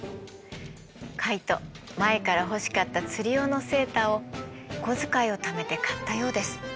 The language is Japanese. カイト前から欲しかった釣り用のセーターをお小遣いをためて買ったようです。